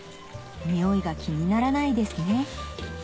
ニオイが気にならないですね